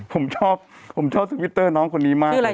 ผมชอบผมชอบทวิตเตอร์น้องคนนี้มากเลย